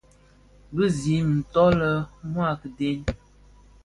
Bizim nto le mua a kiden.